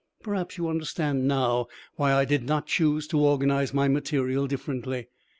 Perhaps you understand now why I did not choose to organize my material differently.